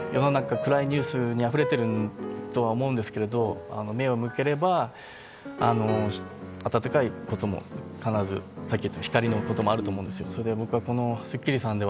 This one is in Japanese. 世の中、暗いニュースに溢れてると思うんですけど、温かいことも必ずさっき言った光の部分もあると思うんですよ。